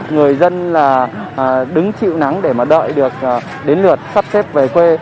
người dân là đứng chịu nắng để mà đợi được đến lượt sắp xếp về quê